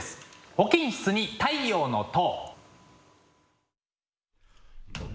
「保健室に太陽の塔」。